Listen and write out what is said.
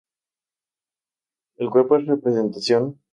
El cuerno es representación habitual de la fertilidad.